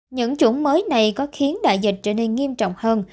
những chủng mới này có khiến đại dịch trở nên nghiêm trọng hơn